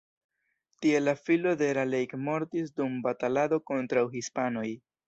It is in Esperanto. Tie la filo de Raleigh mortis dum batalado kontraŭ hispanoj.